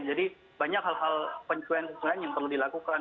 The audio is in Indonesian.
jadi banyak hal hal penyesuaian penyesuaian yang perlu dilakukan